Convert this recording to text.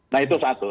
nah itu satu